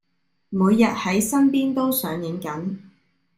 每日喺身邊都上映緊